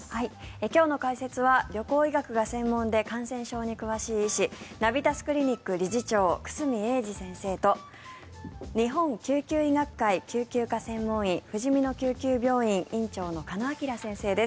今日の解説は旅行医学が専門で感染症に詳しい医師ナビタスクリニック理事長久住英二先生と日本救急医学会救急科専門医ふじみの救急病院院長の鹿野晃先生です。